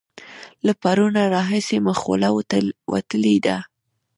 له پرونه راهسې مې خوله وتلې ده.